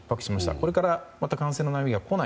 これからまた感染の波が来ない